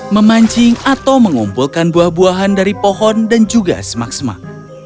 memancing atau mengumpulkan buah buahan dari pohon dan juga semak semak